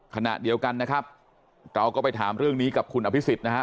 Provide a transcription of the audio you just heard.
ขณะเดียวกันนะครับเราก็ไปถามเรื่องนี้กับคุณอภิษฎนะครับ